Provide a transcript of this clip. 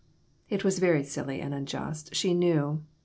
It was very silly and unjust, she knew.